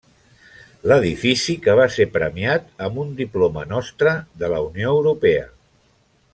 L'edifici que va ser premiat amb un diploma Nostra de la Unió Europea.